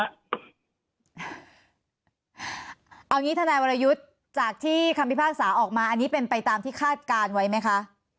เอาอย่างนี้ทนายวรยุทธ์จากที่คำพิพากษาออกมาอันนี้เป็นไปตามที่คาดการณ์ไว้ไหมคะ